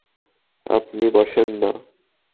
আপনি বসেন না।